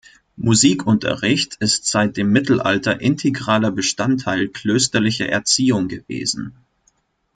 Musikunterricht ist seit dem Mittelalter integraler Bestandteil klösterlicher Erziehung gewesen.